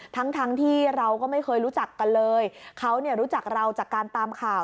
ทั้งทั้งที่เราก็ไม่เคยรู้จักกันเลยเขาเนี่ยรู้จักเราจากการตามข่าว